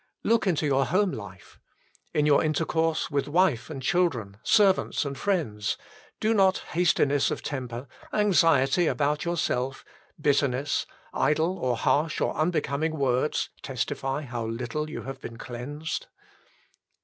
Look into your home life. In your intercourse with wife and children, servants and friends, do not hastiness of temper, anxiety about yourself, bitterness, idle or harsh or unbecoming words testify how little you have been cleansed